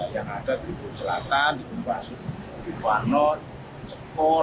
yang ada di jelatan di vanot skor sepuluh empat belas tiga belas